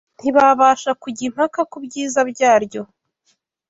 ntibabasha kujya impaka ku byiza byaryo